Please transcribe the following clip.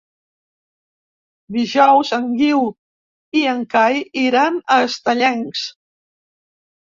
Dijous en Guiu i en Cai iran a Estellencs.